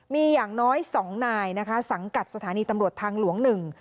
มีอย่างน้อย๒นายสังกัดสถานีตำรวจทางหลวง๑